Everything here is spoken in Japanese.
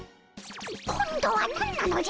今度は何なのじゃ！